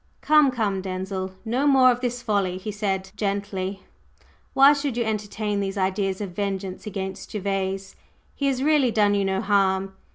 "Come, come, Denzil. No more of this folly," he said, gently. "Why should you entertain these ideas of vengeance against Gervase? He has really done you no harm.